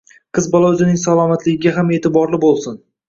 Qiz bola o‘zining salomatligiga ham e’tiborli bo‘lsin.